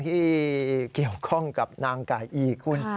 ที่เกี่ยวกับนางกายอีคุณ